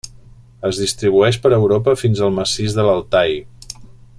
Es distribueix per Europa fins al Massís de l'Altai.